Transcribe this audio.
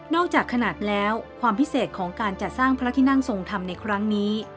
จากขนาดแล้วความพิเศษของการจัดสร้างพระที่นั่งทรงธรรมในครั้งนี้